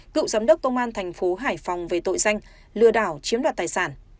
cựu giám đốc công an tp hải phòng về tội danh lừa đảo chiếm đoạt tài sản